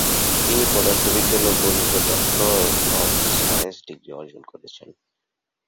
তিনি পদার্থবিজ্ঞান ও গণিতে ডক্টর অব সায়েন্সেস ডিগ্রি অর্জন করেন।